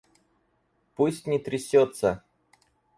Пусть не трясется!